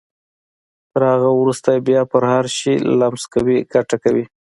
تر هغه وروسته چې بيا هر شی لمس کوئ ګټه کوي.